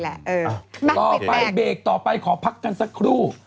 ต่อไปเบรกต่อไปขอพักกันสักครู่